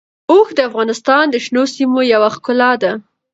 اوښ د افغانستان د شنو سیمو یوه ښکلا ده.